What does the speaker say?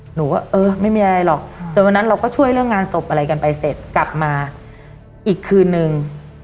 หนูก็เออไม่มีอะไรหรอกจนวันนั้นเราก็ช่วยเรื่องงานศพอะไรกันไปเสร็จกลับมาอีกคืนนึง